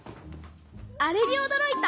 あれにおどろいた！